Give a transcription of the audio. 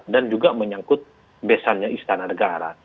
dan juga menyangkut besarnya istana negara